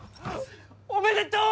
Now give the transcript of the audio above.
おめでとう！